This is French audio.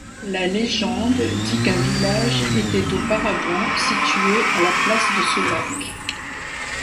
La légende dit qu'un village était auparavant situé à la place de ce lac.